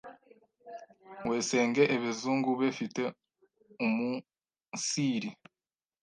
Wesenge ebezungu befite uumunsiri